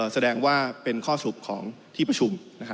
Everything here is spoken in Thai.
แสดงว่าเป็นข้อสรุปของที่ประชุม